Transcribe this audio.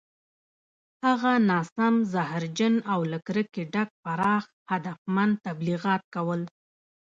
هغه ناسم، زهرجن او له کرکې ډک پراخ هدفمند تبلیغات کول